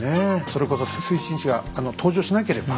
それこそ水心子が登場しなければ。